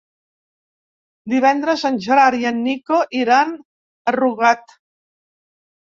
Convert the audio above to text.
Divendres en Gerard i en Nico iran a Rugat.